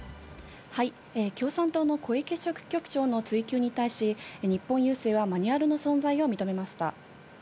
共産党の小池書記局長の追及に対し、日本郵政はマニュアルの存在を認めました。